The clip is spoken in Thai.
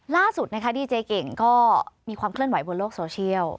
ล่าสุดนะคะดีเจเก่งก็มีความเคลื่อนไหวบนโลกโซเชียล